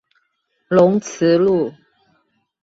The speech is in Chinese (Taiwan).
龍慈路